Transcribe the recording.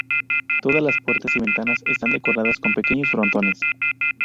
Todas las puertas y ventanas están decoradas con pequeños frontones.